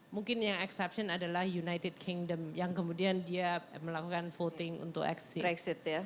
mungkin yang exception adalah united kingdom yang kemudian dia melakukan voting untuk exit ya